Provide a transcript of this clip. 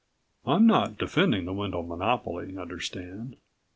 I'm not defending the Wendel monopoly, understand.